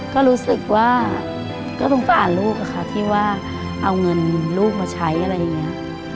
ก็รู้สึกว่าก็ต้องฝากลูกอะค่ะที่ว่าเอาเงินลูกมาใช้อะไรอย่างนี้